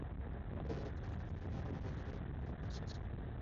根据采集到的文物推测东水地城址最晚建于战国时期。